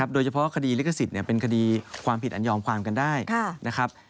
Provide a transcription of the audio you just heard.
โดยเฉพาะคดีลิขสิทธิ์เป็นคดีความผิดอันยอมความกันได้นะครับ